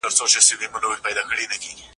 د میرویس خان بریا د پښتنو د بیدارۍ نښه وه.